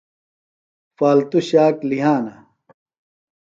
فالتُو شاک لِھیانہ۔